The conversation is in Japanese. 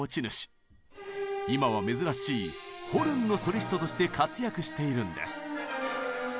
今は珍しいホルンのソリストとして活躍しているんです。